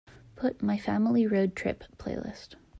put my Family Road Trip playlist